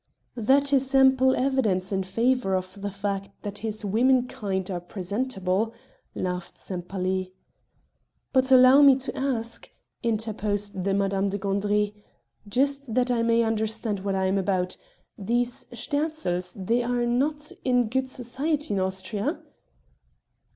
"That is ample evidence in favor of the fact that his woman kind are presentable," laughed Sempaly. "But allow me to ask," interposed the Madame de Gandry, "just that I may understand what I am about these Sterzls, they are not in good society in Austria?"